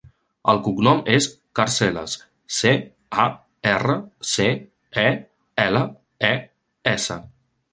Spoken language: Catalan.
El cognom és Carceles: ce, a, erra, ce, e, ela, e, essa.